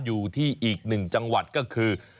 ก็อยู่ที่อีก๑จังหวัดก็คือ